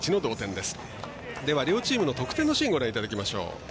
では、両チームの得点のシーンご覧いただきましょう。